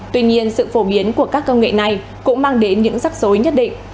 tuy nhiên sự phổ biến của các công nghệ này cũng mang đến những rắc rối nhất định